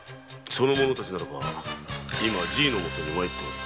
その者たちならば今じぃのもとへ参っておる。